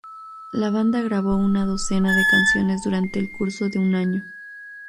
La banda grabó una docena de canciones durante el curso de un año.